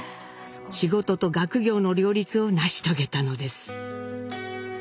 仕事と学業の両立を成し遂げたのです。